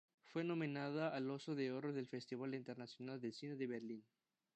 Fue nominada al Oso de Oro del Festival Internacional de Cine de Berlín.